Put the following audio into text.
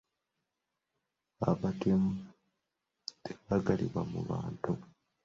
Abatemu tebaagalibwa mu bantu.